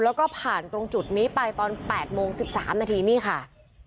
แล้วก็ผ่านตรงจุดนี้ไปตอน๘โมง๑๓นาทีนี่ค่ะ